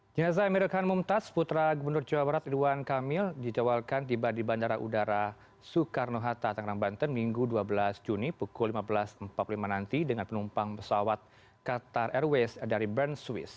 jenazah emeril khan mumtaz putra gubernur jawa barat ridwan kamil dijawabkan tiba di bandara udara soekarno hatta tangerang banten minggu dua belas juni pukul lima belas empat puluh lima nanti dengan penumpang pesawat qatar airways dari bern swiss